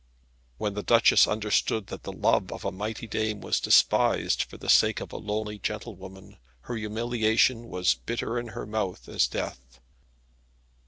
When the Duchess understood that the love of a mighty dame was despised for the sake of a lowly gentlewoman, her humiliation was bitter in her mouth as death.